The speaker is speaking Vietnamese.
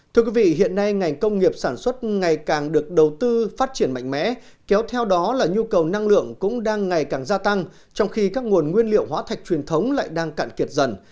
thưa quý vị hiện nay ngành công nghiệp sản xuất ngày càng được đầu tư phát triển mạnh mẽ kéo theo đó là nhu cầu năng lượng cũng đang ngày càng gia tăng trong khi các nguồn nguyên liệu hóa thạch truyền thống lại đang cạn kiệt dần